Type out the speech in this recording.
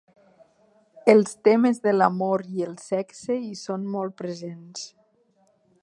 Els temes de l'amor i el sexe hi són molt presents.